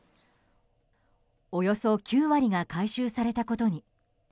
およそ９割が回収されたことに。